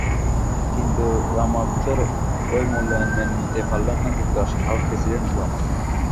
কিন্তু রামাফোসার ওই মূল্যায়ন মেনে নিতে পারলেন না যুক্তরাষ্ট্রের সাবেক প্রেসিডেন্ট ওবামা।